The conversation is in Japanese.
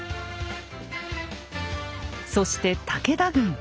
そして武田軍。